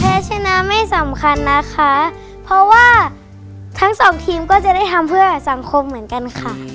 ชนะไม่สำคัญนะคะเพราะว่าทั้งสองทีมก็จะได้ทำเพื่อสังคมเหมือนกันค่ะ